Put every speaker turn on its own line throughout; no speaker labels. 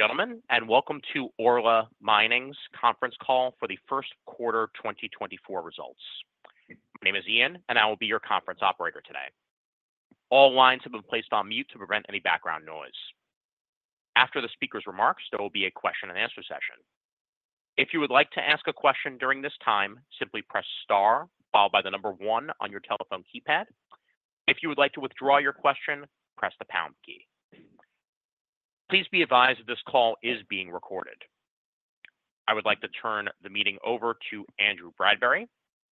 Gentlemen, and welcome to Orla Mining's conference call for the first quarter 2024 results. My name is Ian, and I will be your conference operator today. All lines have been placed on mute to prevent any background noise. After the speaker's remarks, there will be a question-and-answer session. If you would like to ask a question during this time, simply press star followed by the number one on your telephone keypad. If you would like to withdraw your question, press the pound key. Please be advised that this call is being recorded. I would like to turn the meeting over to Andrew Bradbury,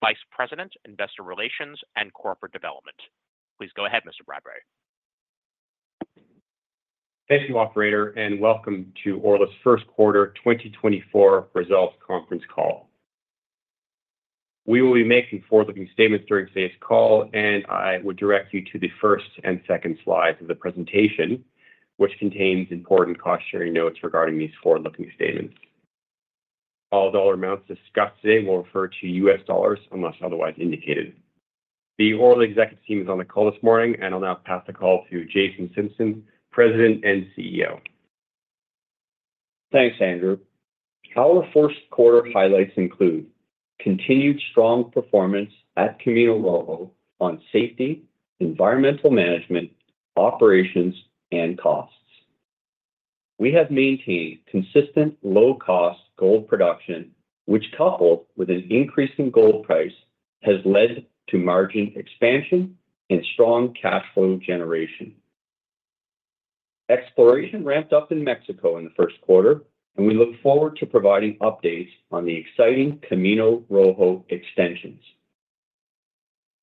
Vice President, Investor Relations and Corporate Development. Please go ahead, Mr. Bradbury.
Thank you, Operator, and welcome to Orla's first quarter 2024 results conference call. We will be making forward-looking statements during today's call, and I would direct you to the first and second slides of the presentation, which contains important cautionary notes regarding these forward-looking statements. All dollar amounts discussed today will refer to U.S. dollars unless otherwise indicated. The Orla executive team is on the call this morning, and I'll now pass the call to Jason Simpson, President and CEO.
Thanks, Andrew. Our first quarter highlights include continued strong performance at Camino level on safety, environmental management, operations, and costs. We have maintained consistent low-cost gold production, which, coupled with an increasing gold price, has led to margin expansion and strong cash flow generation. Exploration ramped up in Mexico in the first quarter, and we look forward to providing updates on the exciting Camino Rojo extensions.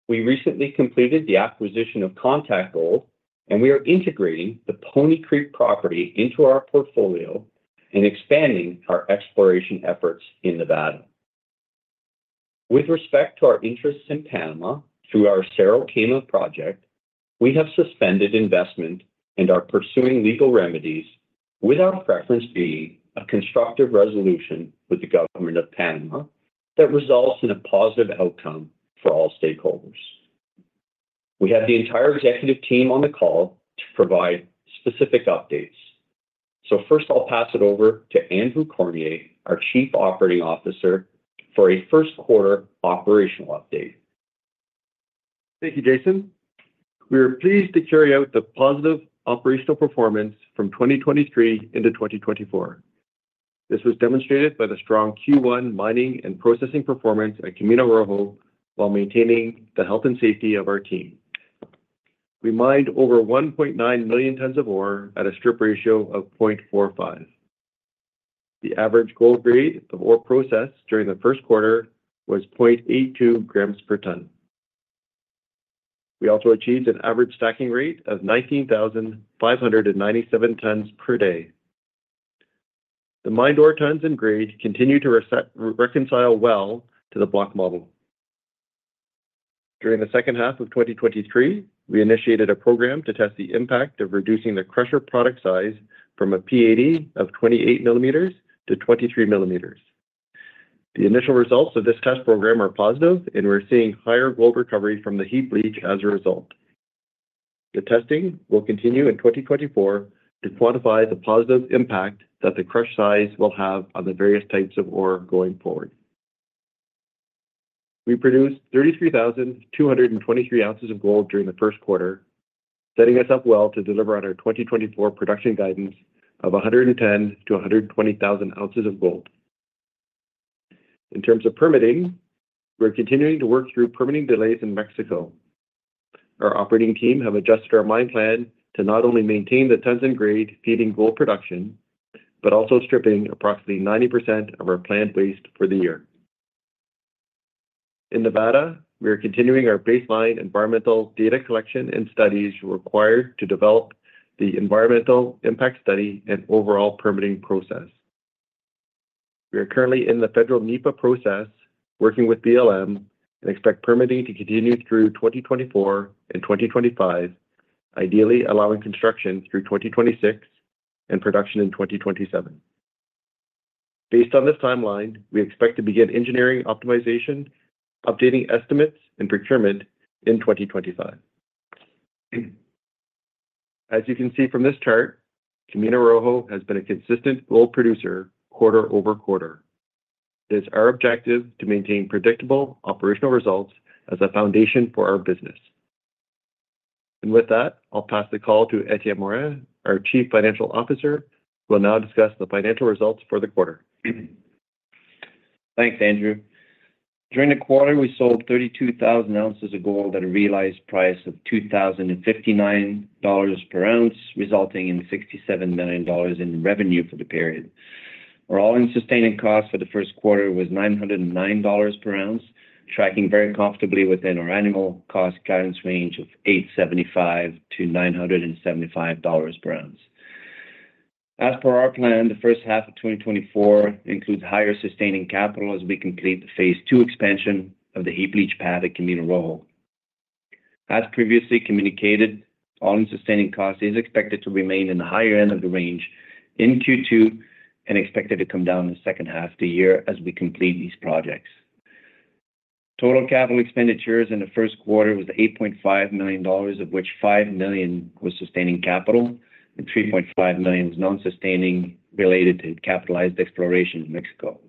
We recently completed the acquisition of Contact Gold, and we are integrating the Pony Creek property into our portfolio and expanding our exploration efforts in Nevada. With respect to our interests in Panama through our Cerro Quema project, we have suspended investment and are pursuing legal remedies, with our preference being a constructive resolution with the Government of Panama that results in a positive outcome for all stakeholders. We have the entire executive team on the call to provide specific updates. So first, I'll pass it over to Andrew Cormier, our Chief Operating Officer, for a first quarter operational update.
Thank you, Jason. We are pleased to carry out the positive operational performance from 2023 into 2024. This was demonstrated by the strong Q1 mining and processing performance at Camino Rojo while maintaining the health and safety of our team. We mined over 1.9 million tons of ore at a strip ratio of 0.45. The average gold grade of ore processed during the first quarter was 0.82 g per ton. We also achieved an average stacking rate of 19,597 tons per day. The mined ore tons and grade continue to reconcile well to the block model. During the second half of 2023, we initiated a program to test the impact of reducing the crusher product size from a P80 of 28 mm-23 mm. The initial results of this test program are positive, and we're seeing higher gold recovery from the heap leach as a result. The testing will continue in 2024 to quantify the positive impact that the crush size will have on the various types of ore going forward. We produced 33,223 ounces of gold during the first quarter, setting us up well to deliver on our 2024 production guidance of 110,000 oz-120,000 oz of gold. In terms of permitting, we're continuing to work through permitting delays in Mexico. Our operating team have adjusted our mine plan to not only maintain the tons and grade feeding gold production but also stripping approximately 90% of our planned waste for the year. In Nevada, we are continuing our baseline environmental data collection and studies required to develop the environmental impact study and overall permitting process. We are currently in the federal NEPA process, working with BLM, and expect permitting to continue through 2024 and 2025, ideally allowing construction through 2026 and production in 2027. Based on this timeline, we expect to begin engineering optimization, updating estimates, and procurement in 2025. As you can see from this chart, Camino Rojo has been a consistent gold producer quarter-over-quarter. It is our objective to maintain predictable operational results as a foundation for our business. And with that, I'll pass the call to Etienne Morin, our Chief Financial Officer, who will now discuss the financial results for the quarter.
Thanks, Andrew. During the quarter, we sold 32,000 oz of gold at a realized price of $2,059 per ounce, resulting in $67 million in revenue for the period. Our all-in sustaining cost for the first quarter was $909 per ounce, tracking very comfortably within our annual cost guidance range of $875-$975 per ounce. As per our plan, the first half of 2024 includes higher sustaining capital as we complete the phase two expansion of the heap leach pad at Camino Rojo. As previously communicated, all-in sustaining cost is expected to remain in the higher end of the range in Q2 and expected to come down in the second half of the year as we complete these projects. Total capital expenditures in the first quarter was $8.5 million, of which $5 million was sustaining capital and $3.5 million was non-sustaining related to capitalized exploration in Mexico.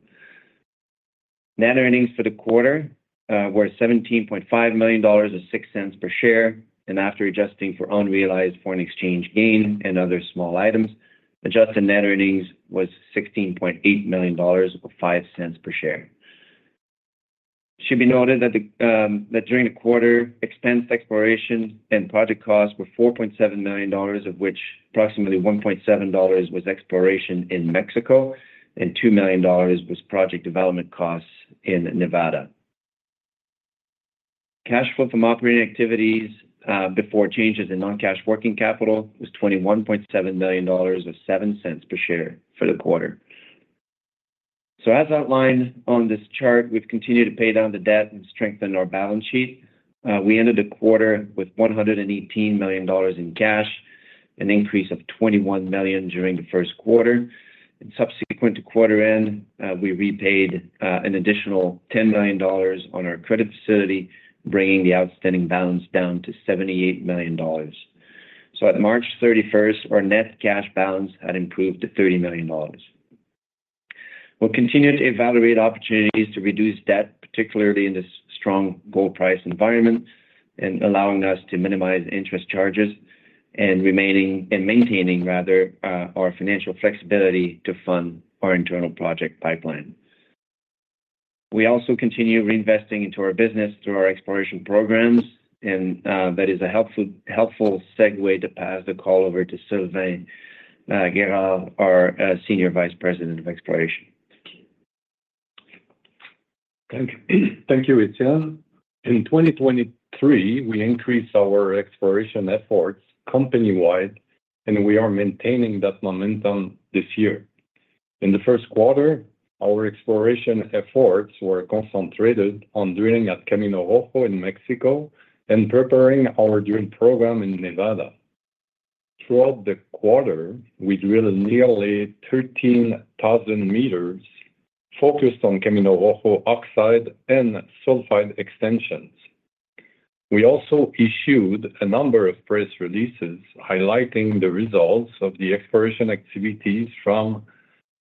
Net earnings for the quarter were $17.5 million or $0.06 per share, and after adjusting for unrealized foreign exchange gain and other small items, adjusted net earnings was $16.8 million or $0.05 per share. It should be noted that during the quarter, expense exploration and project costs were $4.7 million, of which approximately $1.7 million was exploration in Mexico and $2 million was project development costs in Nevada. Cash flow from operating activities before changes in non-cash working capital was $21.7 million or $0.07 per share for the quarter. As outlined on this chart, we've continued to pay down the debt and strengthen our balance sheet. We ended the quarter with $118 million in cash, an increase of $21 million during the first quarter. Subsequent to quarter end, we repaid an additional $10 million on our credit facility, bringing the outstanding balance down to $78 million. At March 31st, our net cash balance had improved to $30 million. We'll continue to evaluate opportunities to reduce debt, particularly in this strong gold price environment and allowing us to minimize interest charges and maintaining, rather, our financial flexibility to fund our internal project pipeline. We also continue reinvesting into our business through our exploration programs, and that is a helpful segue to pass the call over to Sylvain Guerard, our Senior Vice President of Exploration.
Thank you, Etienne. In 2023, we increased our exploration efforts company-wide, and we are maintaining that momentum this year. In the first quarter, our exploration efforts were concentrated on drilling at Camino Rojo in Mexico and preparing our drill program in Nevada. Throughout the quarter, we drilled nearly 13,000 meters focused on Camino Rojo oxide and sulfide extensions. We also issued a number of press releases highlighting the results of the exploration activities from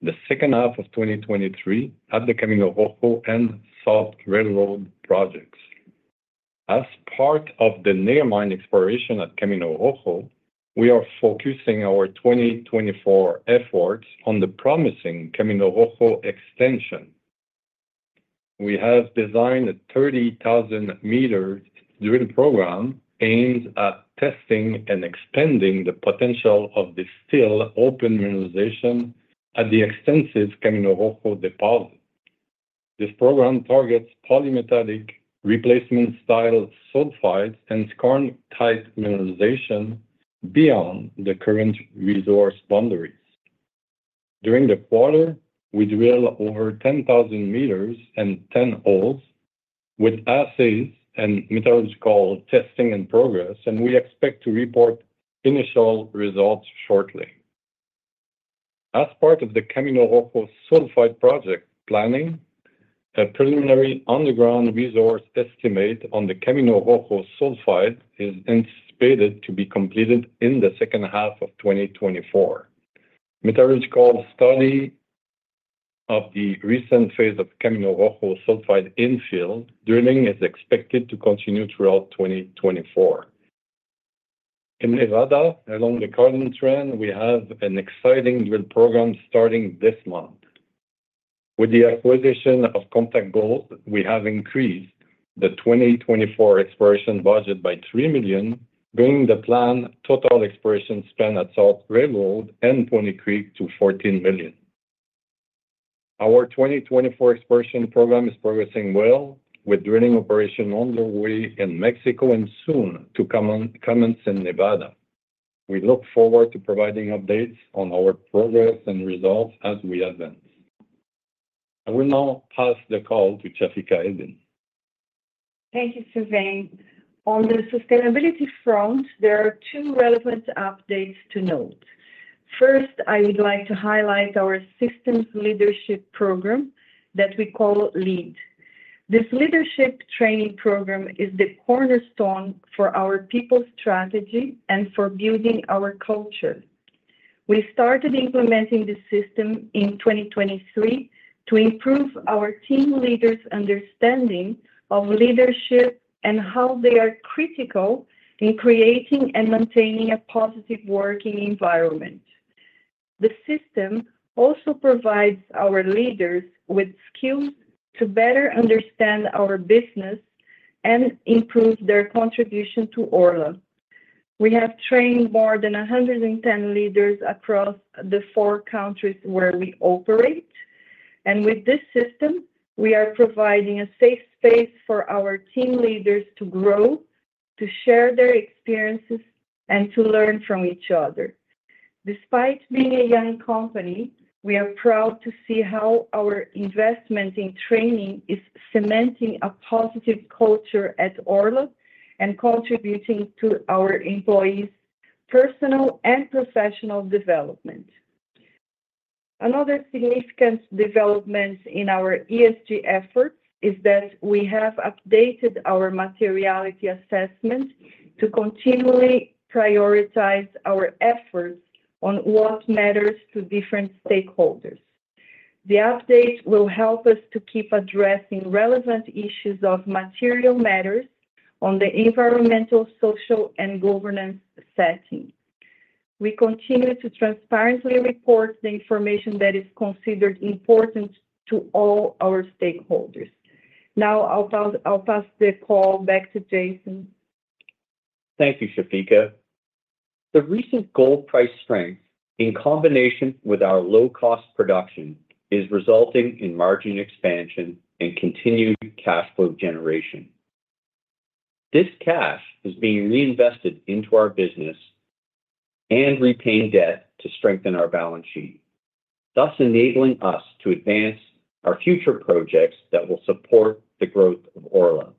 the second half of 2023 at the Camino Rojo and South Railroad projects. As part of the near-mine exploration at Camino Rojo, we are focusing our 2024 efforts on the promising Camino Rojo extension. We have designed a 30,000-meter drill program aimed at testing and expanding the potential of the still open mineralization at the extensive Camino Rojo deposit. This program targets polymetallic replacement-style sulfides and skarn-type mineralization beyond the current resource boundaries. During the quarter, we drilled over 10,000 m and 10 holes with assays and metallurgical testing in progress, and we expect to report initial results shortly. As part of the Camino Rojo sulfide project planning, a preliminary underground resource estimate on the Camino Rojo sulfide is anticipated to be completed in the second half of 2024. Metallurgical study of the recent phase of Camino Rojo sulfide infill drilling is expected to continue throughout 2024. In Nevada, along the Carlin Trend, we have an exciting drill program starting this month. With the acquisition of Contact Gold, we have increased the 2024 exploration budget by $3 million, bringing the planned total exploration spend at South Railroad and Pony Creek to $14 million. Our 2024 exploration program is progressing well, with drilling operation underway in Mexico and soon to commence in Nevada. We look forward to providing updates on our progress and results as we advance. I will now pass the call to Chafika Eddine.
Thank you, Sylvain. On the sustainability front, there are two relevant updates to note. First, I would like to highlight our systems leadership program that we call LEAD. This leadership training program is the cornerstone for our people's strategy and for building our culture. We started implementing this system in 2023 to improve our team leaders' understanding of leadership and how they are critical in creating and maintaining a positive working environment. The system also provides our leaders with skills to better understand our business and improve their contribution to Orla. We have trained more than 110 leaders across the four countries where we operate, and with this system, we are providing a safe space for our team leaders to grow, to share their experiences, and to learn from each other. Despite being a young company, we are proud to see how our investment in training is cementing a positive culture at Orla and contributing to our employees' personal and professional development. Another significant development in our ESG efforts is that we have updated our materiality assessment to continually prioritize our efforts on what matters to different stakeholders. The update will help us to keep addressing relevant issues of material matters on the environmental, social, and governance setting. We continue to transparently report the information that is considered important to all our stakeholders. Now, I'll pass the call back to Jason.
Thank you, Chafika. The recent gold price strength, in combination with our low-cost production, is resulting in margin expansion and continued cash flow generation. This cash is being reinvested into our business and repaying debt to strengthen our balance sheet, thus enabling us to advance our future projects that will support the growth of Orla.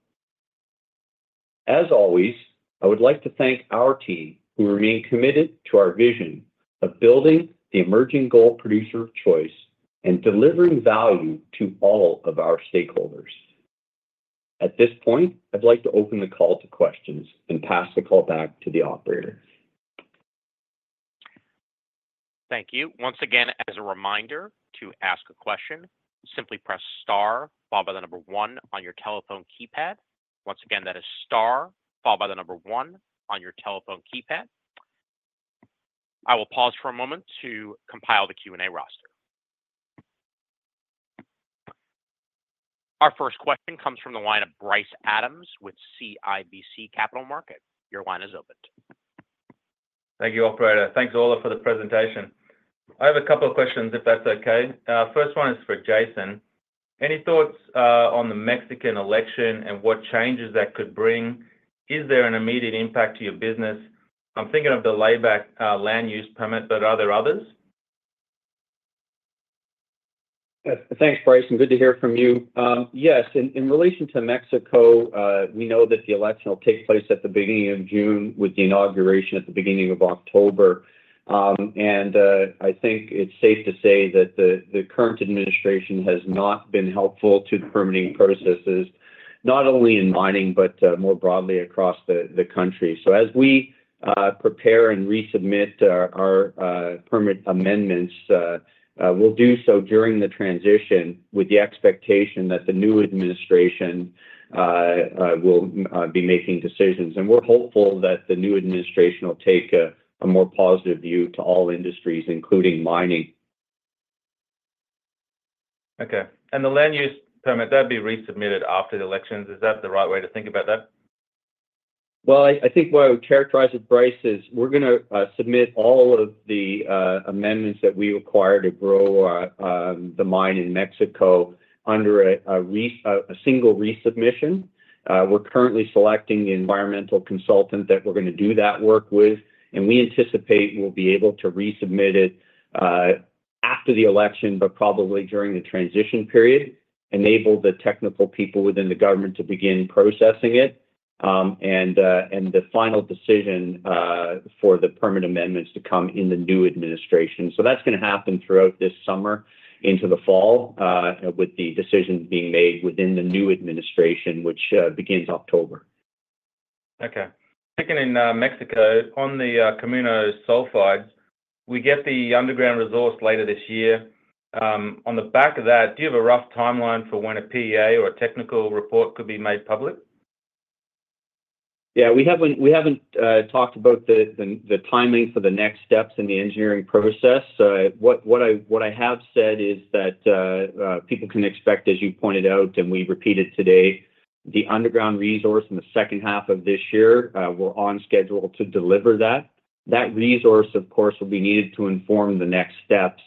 As always, I would like to thank our team who remain committed to our vision of building the emerging gold producer of choice and delivering value to all of our stakeholders. At this point, I'd like to open the call to questions and pass the call back to the operator.
Thank you. Once again, as a reminder, to ask a question, simply press star followed by the number one on your telephone keypad. Once again, that is star followed by the number one on your telephone keypad. I will pause for a moment to compile the Q&A roster. Our first question comes from the line of Bryce Adams with CIBC Capital Markets. Your line is open.
Thank you, operator. Thanks, Orla, for the presentation. I have a couple of questions, if that's okay. First one is for Jason. Any thoughts on the Mexican election and what changes that could bring? Is there an immediate impact to your business? I'm thinking of the layback land use permit, but are there others?
Thanks, Bryce. Good to hear from you. Yes. In relation to Mexico, we know that the election will take place at the beginning of June with the inauguration at the beginning of October. I think it's safe to say that the current administration has not been helpful to the permitting processes, not only in mining but more broadly across the country. As we prepare and resubmit our permit amendments, we'll do so during the transition with the expectation that the new administration will be making decisions. We're hopeful that the new administration will take a more positive view to all industries, including mining.
Okay. The land use permit, that'd be resubmitted after the elections. Is that the right way to think about that?
Well, I think what I would characterize as Bryce is we're going to submit all of the amendments that we require to grow the mine in Mexico under a single resubmission. We're currently selecting the environmental consultant that we're going to do that work with, and we anticipate we'll be able to resubmit it after the election but probably during the transition period, enable the technical people within the government to begin processing it, and the final decision for the permit amendments to come in the new administration. So that's going to happen throughout this summer into the fall with the decisions being made within the new administration, which begins October.
Okay. Thinking in Mexico, on the Camino sulfides, we get the underground resource later this year. On the back of that, do you have a rough timeline for when a PEA or a technical report could be made public?
Yeah. We haven't talked about the timing for the next steps in the engineering process. What I have said is that people can expect, as you pointed out, and we repeated today, the underground resource in the second half of this year. We're on schedule to deliver that. That resource, of course, will be needed to inform the next steps.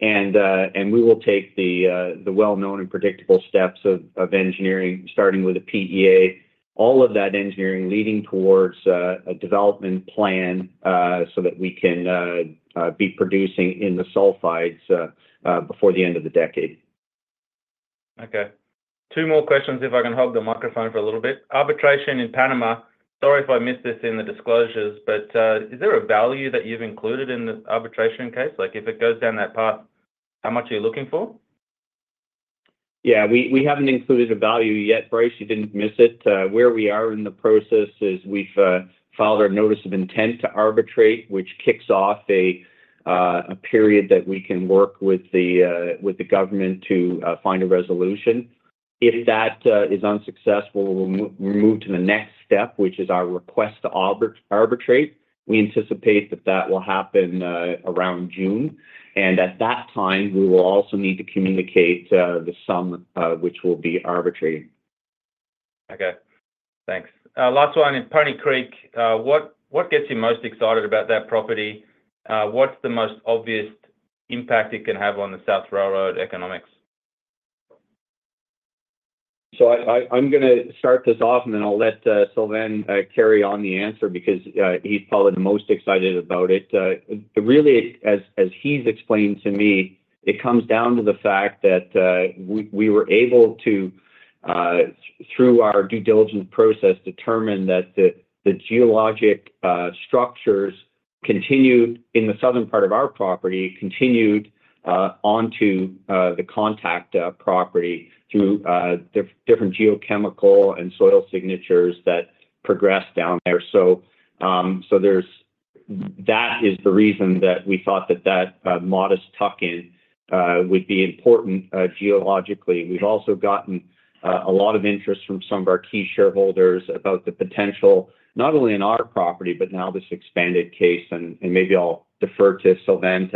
And we will take the well-known and predictable steps of engineering, starting with a PEA, all of that engineering leading towards a development plan so that we can be producing in the sulfides before the end of the decade.
Okay. Two more questions, if I can hog the microphone for a little bit. Arbitration in Panama. Sorry if I missed this in the disclosures, but is there a value that you've included in the arbitration case? If it goes down that path, how much are you looking for?
Yeah. We haven't included a value yet. Bryce, you didn't miss it. Where we are in the process is we've filed our notice of intent to arbitrate, which kicks off a period that we can work with the government to find a resolution. If that is unsuccessful, we'll move to the next step, which is our request to arbitrate. We anticipate that that will happen around June. And at that time, we will also need to communicate the sum which we'll be arbitrating.
Okay. Thanks. Last one. In Pony Creek, what gets you most excited about that property? What's the most obvious impact it can have on the South Railroad economics?
So I'm going to start this off, and then I'll let Sylvain carry on the answer because he's probably the most excited about it. Really, as he's explained to me, it comes down to the fact that we were able to, through our due diligence process, determine that the geologic structures in the southern part of our property continued onto the contact property through different geochemical and soil signatures that progressed down there. So that is the reason that we thought that that modest tuck-in would be important geologically. We've also gotten a lot of interest from some of our key shareholders about the potential, not only in our property, but now this expanded case. And maybe I'll defer to Sylvain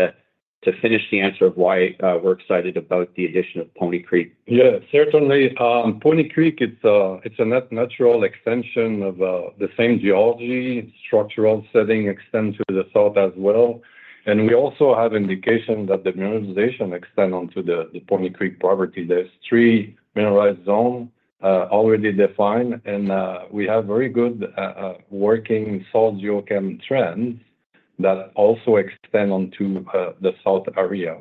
to finish the answer of why we're excited about the addition of Pony Creek.
Yeah. Certainly, Pony Creek, it's a natural extension of the same geology. Structural setting extends to the south as well. And we also have indication that the mineralization extends onto the Pony Creek property. There's three mineralized zones already defined, and we have very good working soil geochem trends that also extend onto the south area.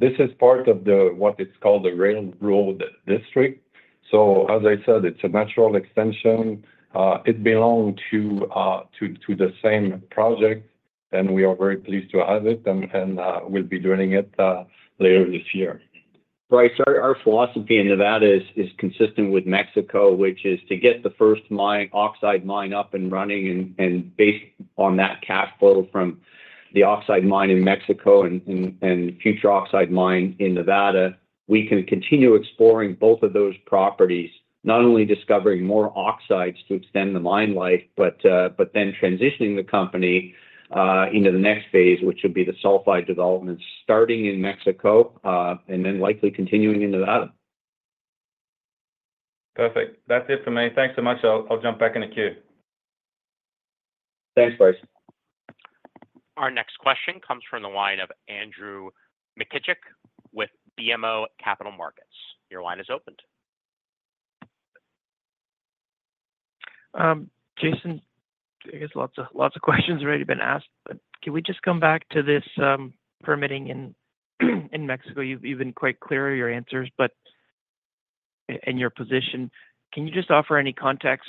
This is part of what it's called the Railroad District. So as I said, it's a natural extension. It belonged to the same project, and we are very pleased to have it and will be doing it later this year.
Bryce, our philosophy in Nevada is consistent with Mexico, which is to get the first oxide mine up and running. Based on that cash flow from the oxide mine in Mexico and future oxide mine in Nevada, we can continue exploring both of those properties, not only discovering more oxides to extend the mine life but then transitioning the company into the next phase, which would be the sulfide development starting in Mexico and then likely continuing in Nevada.
Perfect. That's it for me. Thanks so much. I'll jump back in the queue.
Thanks, Bryce.
Our next question comes from the line of Andrew Mikitchook with BMO Capital Markets. Your line is open.
Jason, I guess lots of questions have already been asked, but can we just come back to this permitting in Mexico? You've been quite clear in your answers, but in your position, can you just offer any context?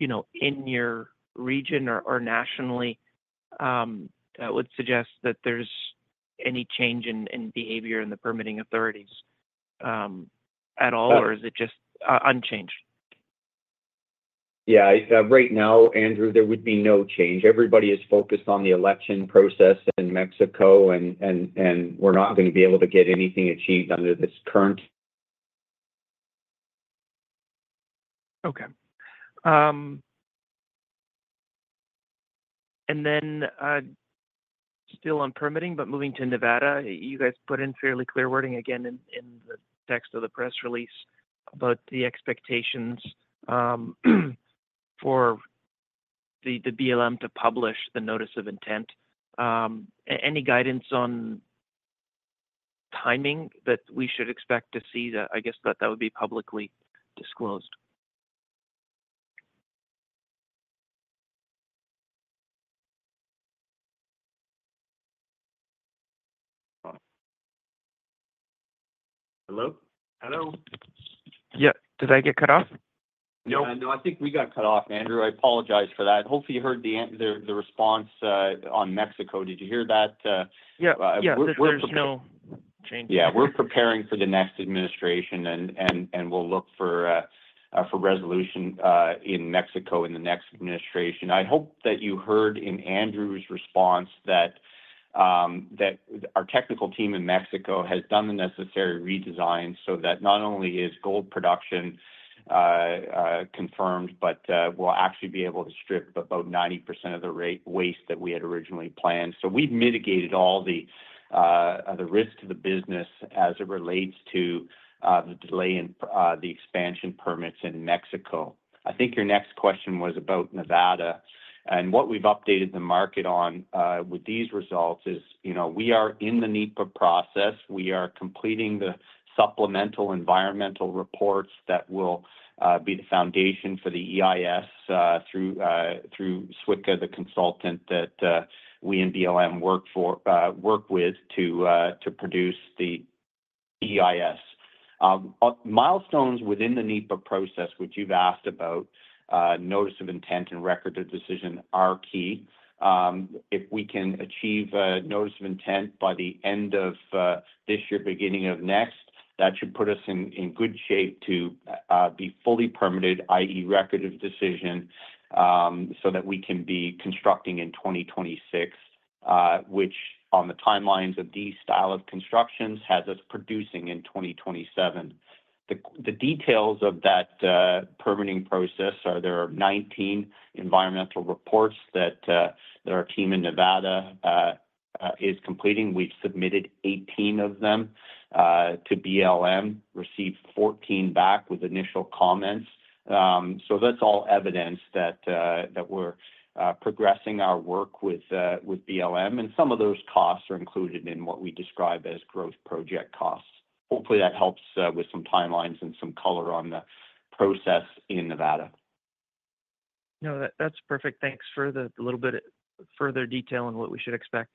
Are you seeing any movement in your region or nationally that would suggest that there's any change in behavior in the permitting authorities at all, or is it just unchanged?
Yeah. Right now, Andrew, there would be no change. Everybody is focused on the election process in Mexico, and we're not going to be able to get anything achieved under this current.
Okay. Still on permitting but moving to Nevada, you guys put in fairly clear wording again in the text of the press release about the expectations for the BLM to publish the notice of intent. Any guidance on timing that we should expect to see? I guess that would be publicly disclosed. Hello?
Hello?
Yeah. Did I get cut off?
Nope. No, I think we got cut off, Andrew. I apologize for that. Hopefully, you heard the response on Mexico. Did you hear that?
Yeah. There's no change.
Yeah. We're preparing for the next administration, and we'll look for resolution in Mexico in the next administration. I hope that you heard in Andrew's response that our technical team in Mexico has done the necessary redesign so that not only is gold production confirmed, but we'll actually be able to strip about 90% of the waste that we had originally planned. So we've mitigated all the risks to the business as it relates to the delay in the expansion permits in Mexico. I think your next question was about Nevada. What we've updated the market on with these results is we are in the NEPA process. We are completing the supplemental environmental reports that will be the foundation for the EIS through SWCA, the consultant that we and BLM work with to produce the EIS. Milestones within the NEPA process, which you've asked about—notice of intent and record of decision—are key. If we can achieve a notice of intent by the end of this year, beginning of next, that should put us in good shape to be fully permitted, i.e., record of decision, so that we can be constructing in 2026, which, on the timelines of these style of constructions, has us producing in 2027. The details of that permitting process are: there are 19 environmental reports that our team in Nevada is completing. We've submitted 18 of them to BLM, received 14 back with initial comments. So that's all evidence that we're progressing our work with BLM. And some of those costs are included in what we describe as growth project costs. Hopefully, that helps with some timelines and some color on the process in Nevada.
No, that's perfect. Thanks for the little bit further detail on what we should expect.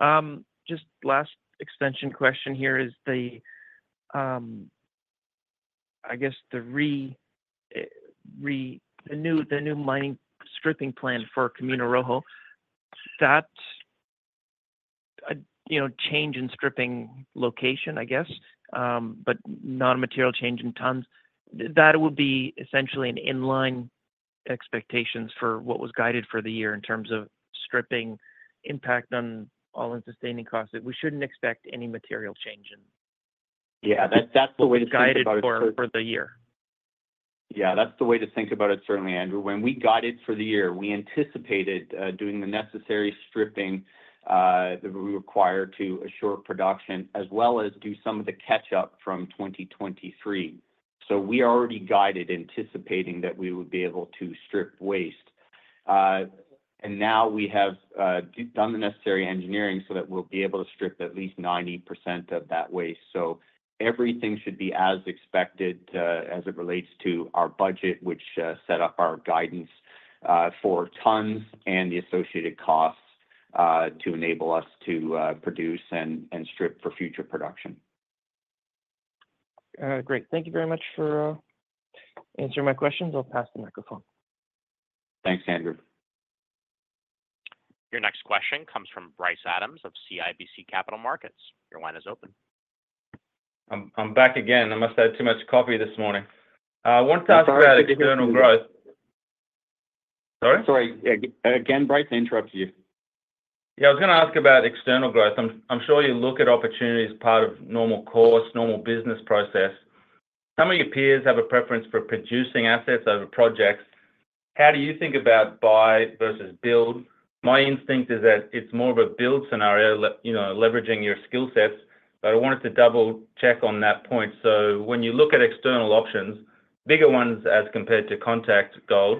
Just last extension question here is, I guess, the new mining stripping plan for Camino Rojo, that change in stripping location, I guess, but not a material change in tons, that would be essentially in line expectations for what was guided for the year in terms of stripping impact on all in sustaining costs. We shouldn't expect any material change in.
Yeah. That's the way to think about it for the year. Yeah. That's the way to think about it, certainly, Andrew. When we guided for the year, we anticipated doing the necessary stripping that we require to assure production as well as do some of the catch-up from 2023. So we are already guided anticipating that we would be able to strip waste. And now we have done the necessary engineering so that we'll be able to strip at least 90% of that waste. So everything should be as expected as it relates to our budget, which set up our guidance for tons and the associated costs to enable us to produce and strip for future production.
Great. Thank you very much for answering my questions. I'll pass the microphone.
Thanks, Andrew.
Your next question comes from Bryce Adams of CIBC Capital Markets. Your line is open.
I'm back again. I must have had too much coffee this morning. I wanted to ask about external growth. Sorry?
Sorry. Again, Bryce, I interrupted you.
Yeah. I was going to ask about external growth. I'm sure you look at opportunities as part of normal course, normal business process. Some of your peers have a preference for producing assets over projects. How do you think about buy versus build? My instinct is that it's more of a build scenario, leveraging your skill sets. But I wanted to double-check on that point. So when you look at external options, bigger ones as compared to Contact Gold,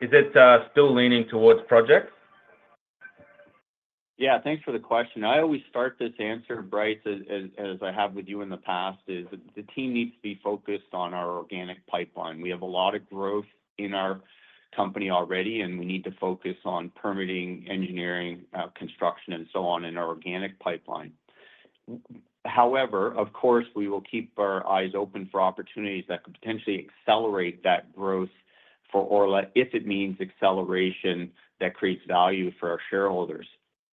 is it still leaning towards projects?
Yeah. Thanks for the question. I always start this answer, Bryce, as I have with you in the past, is the team needs to be focused on our organic pipeline. We have a lot of growth in our company already, and we need to focus on permitting, engineering, construction, and so on in our organic pipeline. However, of course, we will keep our eyes open for opportunities that could potentially accelerate that growth for Orla if it means acceleration that creates value for our shareholders.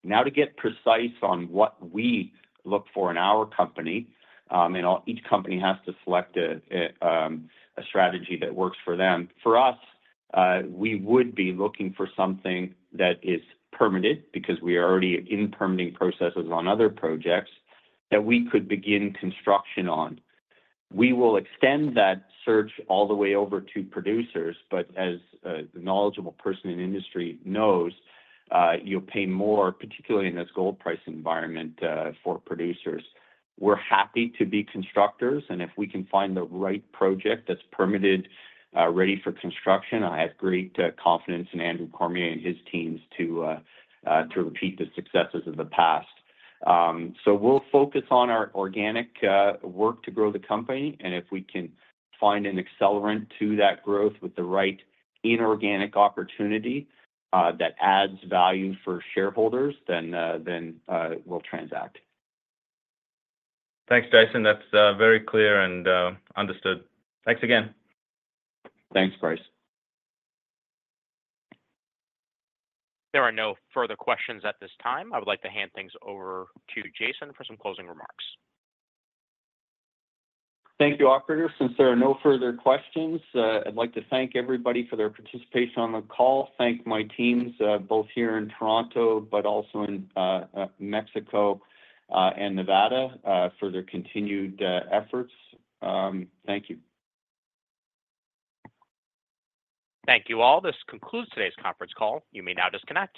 Now, to get precise on what we look for in our company, and each company has to select a strategy that works for them, for us, we would be looking for something that is permitted because we are already in permitting processes on other projects that we could begin construction on. We will extend that search all the way over to producers. But as the knowledgeable person in industry knows, you'll pay more, particularly in this gold price environment, for producers. We're happy to be constructors. And if we can find the right project that's permitted, ready for construction, I have great confidence in Andrew Cormier and his teams to repeat the successes of the past. So we'll focus on our organic work to grow the company. And if we can find an accelerant to that growth with the right inorganic opportunity that adds value for shareholders, then we'll transact.
Thanks, Jason. That's very clear and understood. Thanks again.
Thanks, Bryce.
There are no further questions at this time. I would like to hand things over to Jason for some closing remarks.
Thank you, operator. Since there are no further questions, I'd like to thank everybody for their participation on the call. Thank my teams both here in Toronto but also in Mexico and Nevada for their continued efforts. Thank you.
Thank you all. This concludes today's conference call. You may now disconnect.